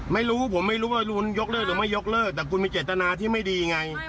ไม่รู้ผมไม่รู้ว่าคุณยกเลิกหรือไม่ยกเลิกแต่คุณมีเจตนาที่ไม่ดีไง